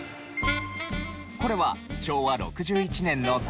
これは昭和６１年の東京駅。